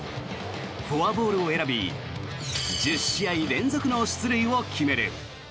フォアボールを選び１０試合連続の出塁を決める。